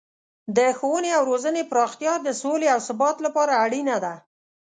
د ښوونې او روزنې پراختیا د سولې او ثبات لپاره اړینه ده.